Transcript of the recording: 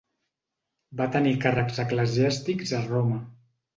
Va tenir càrrecs eclesiàstics a Roma.